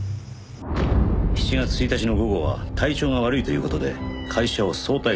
７月１日の午後は体調が悪いという事で会社を早退され。